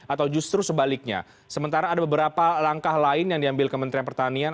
atau justru sebaliknya sementara ada beberapa langkah lain yang diambil kementerian pertanian